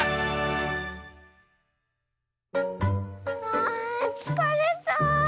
あつかれた。